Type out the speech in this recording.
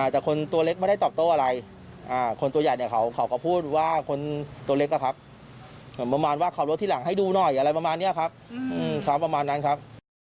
แต่คนตัวเล็กไม่ได้ตอบโต้อะไรคนตัวใหญ่เนี่ยเขาก็พูดว่าคนตัวเล็กอะครับเหมือนประมาณว่าขับรถที่หลังให้ดูหน่อยอะไรประมาณนี้ครับประมาณนั้นครับ